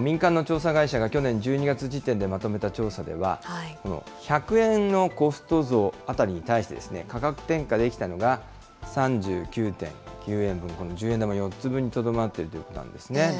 民間の調査会社が去年１２月時点でまとめた調査では、１００円のコスト増に対して価格転嫁できたのが３９．９円分、この十円玉４つ分にとどまっているということなんですね。